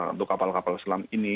untuk kapal kapal selam ini